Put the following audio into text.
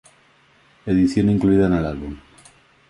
Edición incluida en el álbum.